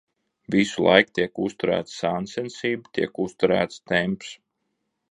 Visu laiku tiek uzturēta sāncensība, tiek uzturēts temps.